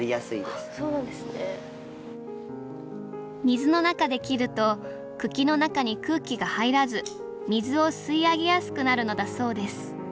水の中で切ると茎の中に空気が入らず水を吸い上げやすくなるのだそうです。